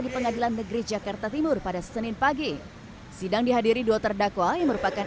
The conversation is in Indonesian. di pengadilan negeri jakarta timur pada senin pagi sidang dihadiri dua terdakwa yang merupakan